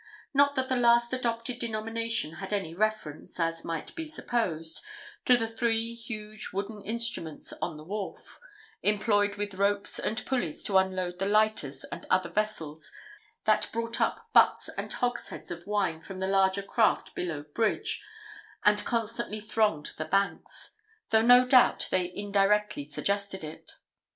Not that the last adopted denomination had any reference, as might be supposed, to the three huge wooden instruments on the wharf, employed with ropes and pulleys to unload the lighters and other vessels that brought up butts and hogsheads of wine from the larger craft below Bridge, and constantly thronged the banks; though, no doubt, they indirectly suggested it.